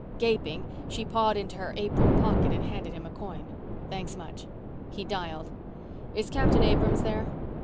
Gaping, she pawed into her apron pocket and handed him a coin. "Thanks much." He dialed. "Is Captain Abrams there?"